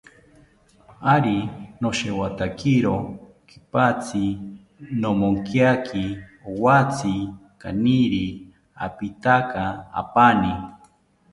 Ari noshewotakiro kipatzi, nomonkiaki owatzi kaniri apintaka apani